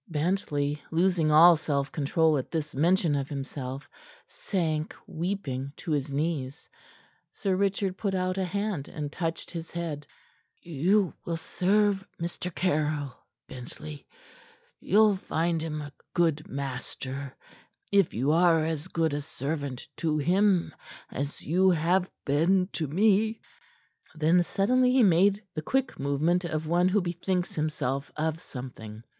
Bentley, losing all self control at this mention of himself, sank weeping to his knees. Sir Richard put out a hand, and touched his head. "You will serve Mr. Caryll, Bentley. You'll find him a good master if you are as good a servant to him as you have been to me." Then suddenly he made the quick movement of one who bethinks himself of something.